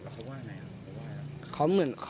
แล้วเขาว่าอย่างไรครับ